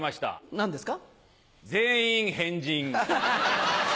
何ですか？